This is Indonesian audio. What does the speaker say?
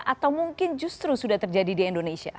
atau mungkin justru sudah terjadi di indonesia